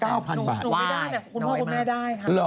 แต่ค่อยอุยบอนูไม่ได้มั๊ยคุณพ่อคุณแม่ได้ครับ